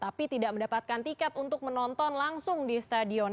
tapi tidak mendapatkan tiket untuk menonton langsung di stadion